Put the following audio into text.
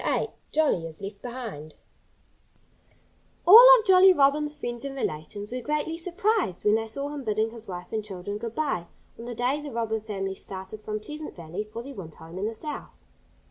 VIII JOLLY IS LEFT BEHIND All of Jolly Robin's friends and relations were greatly surprised when they saw him bidding his wife and children good by, on the day the Robin family started from Pleasant Valley for their winter home in the South.